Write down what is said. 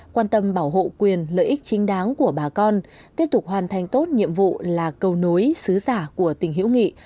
quan tâm bảo hộ quyền lợi ích chính đáng của bà con tiếp tục hoàn thành tốt nhiệm vụ là cầu nối sứ giả của tình hữu nghị